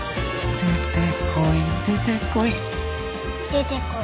出てこい出てこい